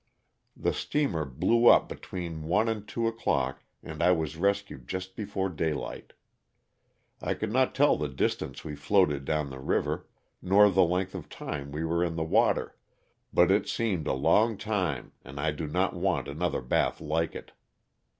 The steamer blew up between one and two o'clock and I was rescued just before daylight. I could not tell the distance we floated down the river, nor the length of time we were in the water, but it seemed a long time and I do not want another bath like it.